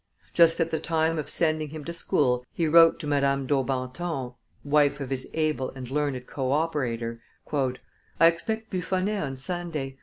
Just at the time of sending him to school, he wrote to Madame Daubenton, wife of his able and learned co operator: "I expect Buffonet on Sunday.